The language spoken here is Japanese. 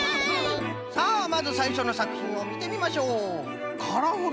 さあまずさいしょのさくひんをみてみましょう！